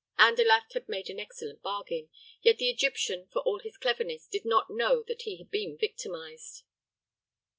Andalaft had made an excellent bargain; yet the Egyptian, for all his cleverness, did not know that he had been victimized.